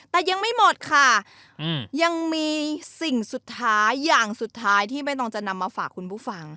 แต่ยังไม่หมดค่ะยังมีสิ่งสุดท้ายอย่างสุดท้ายที่ไม่ต้องจะนำมาฝากคุณผู้ฟัง